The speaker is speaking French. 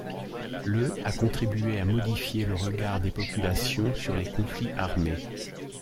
Le a contribué à modifier le regard des populations sur les conflits armés.